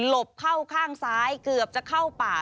บเข้าข้างซ้ายเกือบจะเข้าป่า